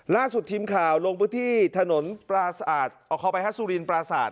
ล่าสุดทีมข่าวลงพื้นที่ถนนปราศาสตร์เอาเข้าไปฮะสุรินทร์ปราศาสตร์